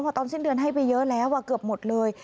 พอตอนสิ้นเดือนให้ไปเยอะแล้วเกือบหมดเลย